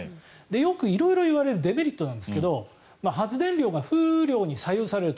よく、色々言われるデメリットなんですが発電量が風量に左右されると。